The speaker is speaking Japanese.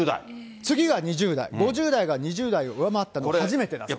次が２０代、５０代が２０代を上回ったのは初めてだそうです。